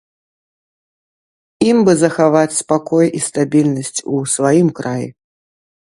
Ім бы захаваць спакой і стабільнасць у сваім краі.